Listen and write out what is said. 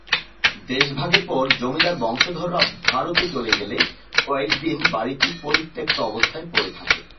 দেশ ভাগের পর জমিদার বংশধররা ভারতে চলে গেলে কয়েকদিন বাড়িটি পরিত্যক্ত অবস্থায় পড়ে থাকে।